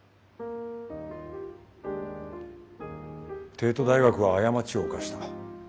帝都大学は過ちを犯した。